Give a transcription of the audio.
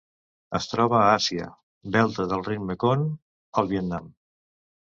Es troba a Àsia: delta del riu Mekong al Vietnam.